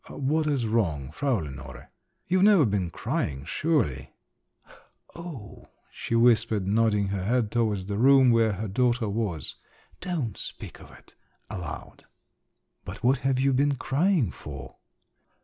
"What is wrong, Frau Lenore? You've never been crying, surely?" "Oh!" she whispered, nodding her head towards the room where her daughter was. "Don't speak of it … aloud." "But what have you been crying for?"